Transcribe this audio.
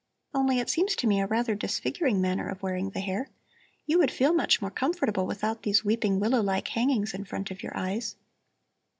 "Only it seems to me a rather disfiguring manner of wearing the hair. You would feel much more comfortable without these weeping willow like hangings in front of your eyes."